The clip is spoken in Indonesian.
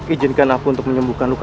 ijinkan aku untuk menyembuhkan luka